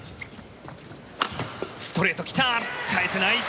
ストレート来た返せない。